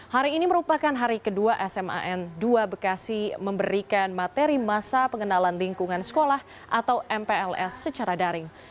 hari ini merupakan hari kedua sman dua bekasi memberikan materi masa pengenalan lingkungan sekolah atau mpls secara daring